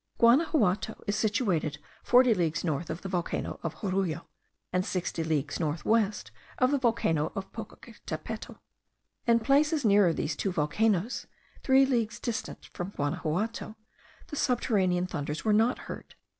Guanaxuato is situated forty leagues north of the volcano of Jorullo, and sixty leagues north west of the volcano of Popocatepetl. In places nearer these two volcanoes, three leagues distant from Guanaxuato, the subterranean thunders were not heard.